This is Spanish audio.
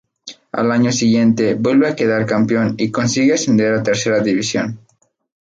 Al año siguiente vuelve a quedar campeón y consigue ascender a Tercera División.